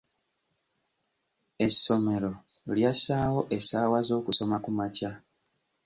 Essomero lyassaawo essaawa z'okusoma kumakya.